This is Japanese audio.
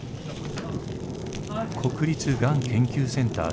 国立がん研究センター